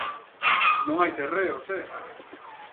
¡Non hai terreos, eh!